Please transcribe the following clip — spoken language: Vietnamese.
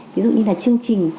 ví dụ như là chương trình